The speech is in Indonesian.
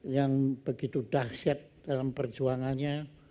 yang begitu dahsyat dalam perjuangannya